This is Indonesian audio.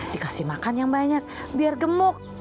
dikasih makan yang banyak biar gemuk